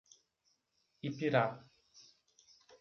Ipirá